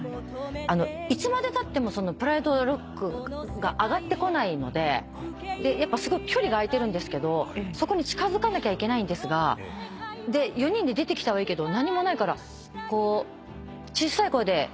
いつまでたってもプライドロックが上がってこないのですごい距離があいてるんですけどそこに近づかなきゃいけないんですが４人で出てきたはいいけど何もないから小さい声で